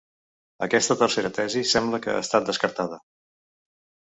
Aquesta tercera tesi sembla que ha estat descartada.